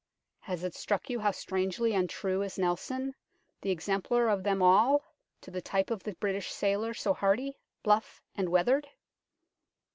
Has it struck you how strangely untrue is Nelson, the exemplar of them all, to the type of the British sailor, so hearty, bluff, and weathered